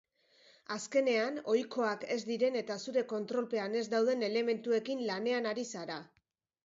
Azkenean ohikoak ez diren eta zure kontrolpean ez dauden elementuekin lanean ari zara.